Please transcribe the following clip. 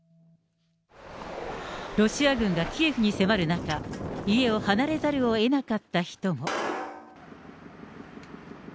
ロシア軍がキエフに迫る中、家を離れざるをえなかった人も。